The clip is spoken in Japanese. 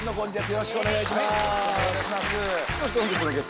よろしくお願いします。